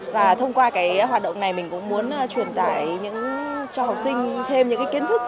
và thông qua cái hoạt động này mình cũng muốn truyền tải cho học sinh thêm những kiến thức